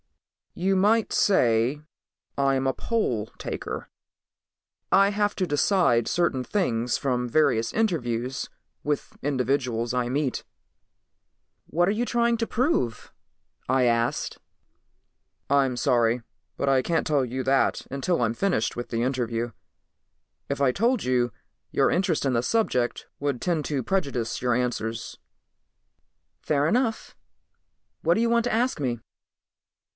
"You might say I'm a poll taker. I have to decide certain things from various interviews with individuals I meet." "What are you trying to prove?" I asked. "I'm sorry, but I can't tell you that until I'm finished with the interview. If I told you, your interest in the subject would tend to prejudice your answers." "Fair enough. What do you want to ask me?"